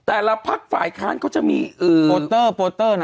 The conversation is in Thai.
พักฝ่ายค้านเขาจะมีโปรเตอร์โปเตอร์นะ